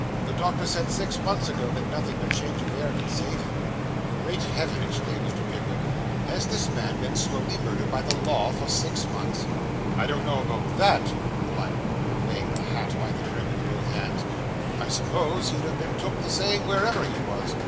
The doctor said, six months ago, that nothing but change of air could save him.' 'Great Heaven!' exclaimed Mr. Pickwick; 'has this man been slowly murdered by the law for six months?' 'I don't know about that,' replied Roker, weighing the hat by the brim in both hands. 'I suppose he'd have been took the same, wherever he was.